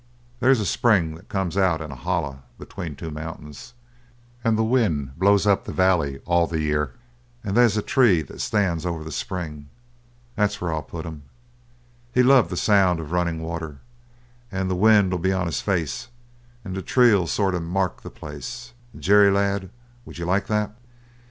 They's a spring that come out in a holler between two mountains; and the wind blows up the valley all the year; and they's a tree that stands over the spring. That's where I'll put him. He loved the sound of runnin' water; and the wind'll be on his face; and the tree'll sort of mark the place. Jerry, lad, would ye like that?"